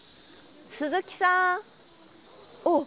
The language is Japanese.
鈴木さん！